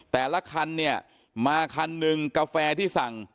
แต่ละคันเนี่ยมาคันหนึ่งกาแฟที่สั่ง